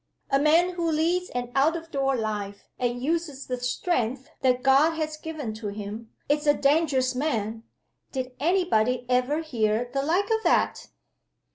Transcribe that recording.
A man who leads an out of door life, and uses the strength that God has given to him, is a dangerous man. Did any body ever hear the like of that?"